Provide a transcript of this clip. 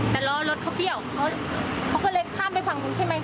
แต่ล้อรถเขาเปรี้ยวเขาก็เลยข้ามไปฝั่งนู้นใช่ไหม